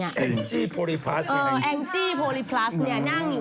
พี่หนิงมาบ่อยนะคะชอบเห็นมั้ยดูมีสาระหน่อย